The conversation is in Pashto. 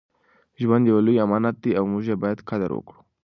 ژوند یو لوی امانت دی او موږ یې باید قدر وکړو.